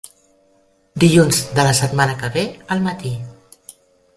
Dilluns de la setmana que ve al matí.